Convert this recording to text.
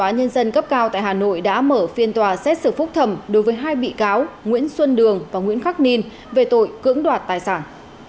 tòa nhân dân cấp cao tại hà nội đã mở phiên tòa xét xử phúc thẩm đối với hai bị cáo nguyễn xuân đường và nguyễn khắc ninh về tội cưỡng đoạt tài sản